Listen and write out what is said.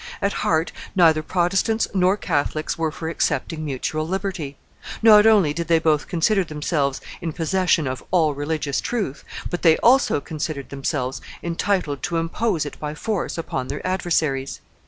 At heart neither Protestants nor Catholics were for accepting mutual liberty; not only did they both consider themselves in possession of all religious truth, but they also considered themselves entitled to impose it by force upon their adversaries.